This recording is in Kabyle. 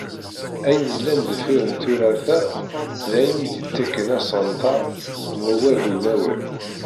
Ayen yellan deffir n turart-a, d ayen i d-yettakken asɣenter n wawal d umawal.